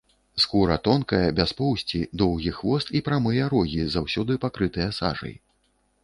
Скура тонкая, без поўсці, доўгі хвост і прамыя рогі, заўсёды пакрытыя сажай.